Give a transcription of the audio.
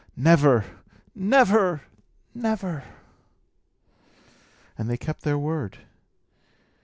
Never!" And they kept their word.